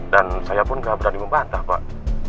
dan saya pun gak berani membatah pak